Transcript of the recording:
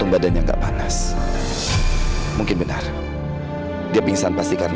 zahira juga gak tau kan